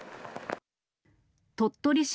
鳥取市